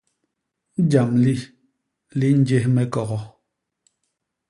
Jam li, li njés me kogo.